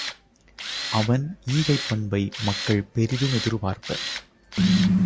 அவன் ஈகைப் பண்பை மக்கள் பெரிதும் எதிர்பார்ப்பர்.